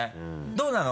どうなの？